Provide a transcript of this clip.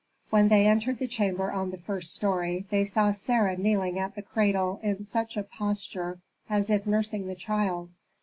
When they entered the chamber on the first story, they saw Sarah kneeling at the cradle in such a posture as if nursing the child.